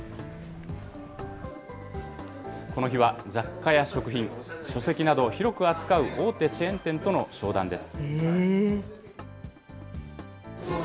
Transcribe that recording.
この日は雑貨や食品、書籍などを広く扱う大手チェーン店との商談です。